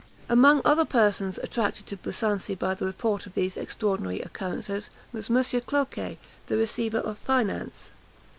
Among other persons attracted to Busancy by the report of these extraordinary occurrences was M. Cloquet, the Receiver of Finance.